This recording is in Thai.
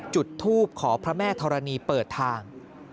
จุดทูปขอพระแม่ธรณีเปิดทาง